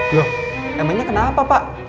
loh emangnya kenapa pak